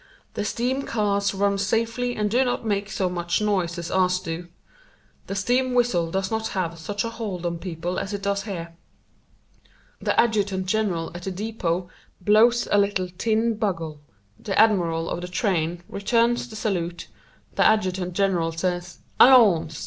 The steam cars run safely and do not make so much noise as ours do. The steam whistle does not have such a hold on people as it does here. The adjutant general at the depot blows a little tin bugle, the admiral of the train returns the salute, the adjutant general says "Allons!"